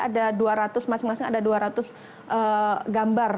ada dua ratus masing masing ada dua ratus gambar